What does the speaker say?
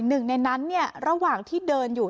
หนึ่งในนั้นระหว่างที่เดินอยู่